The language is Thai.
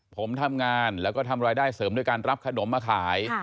ผมทำงานแล้วก็ทำรายได้เสริมด้วยการรับขนมมาขาย